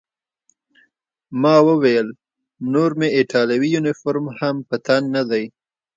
ما وویل: نور مې ایټالوي یونیفورم هم په تن نه دی.